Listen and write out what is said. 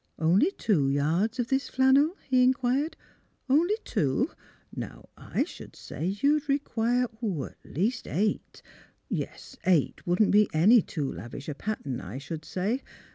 " Only tivo yards of this flannel? " he inquired. '' Only two ? Now I should say you would require at least eight. Yes; eight wouldn't be any too lavish a pattern, I should say.